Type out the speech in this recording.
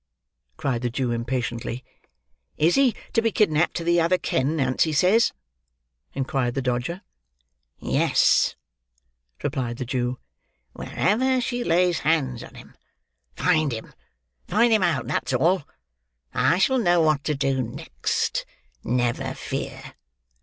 cried the Jew impatiently. "Is he to be kidnapped to the other ken, Nancy says?" inquired the Dodger. "Yes," replied the Jew, "wherever she lays hands on him. Find him, find him out, that's all. I shall know what to do next; never fear."